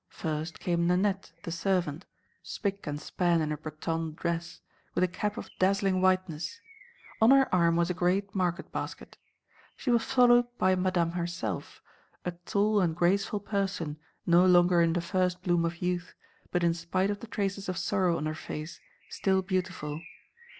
First came Nanette, the servant, spick and span in her Bretonne dress, with a cap of dazzling whiteness. On her arm was a great market basket. She was followed by Madame herself, a tall and graceful person no longer in the first bloom of youth, but, in spite of the traces of sorrow on her face, still beautiful.